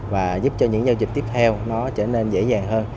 và giúp cho những giao dịch tiếp theo nó trở nên dễ dàng hơn